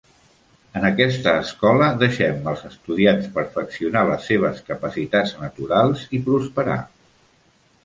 En aquesta escola deixem els estudiants perfeccionar les seves capacitats naturals i prosperar.